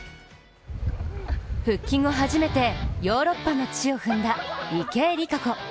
復帰後初めてヨーロッパの地を踏んだ池江璃花子。